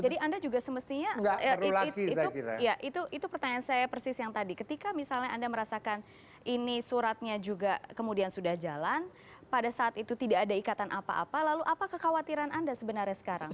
jadi anda juga semestinya itu pertanyaan saya persis yang tadi ketika misalnya anda merasakan ini suratnya juga kemudian sudah jalan pada saat itu tidak ada ikatan apa apa lalu apa kekhawatiran anda sebenarnya sekarang